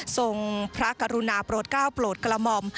ทรงพระกรุณาโปรดก้าวโปรดกระหม่อม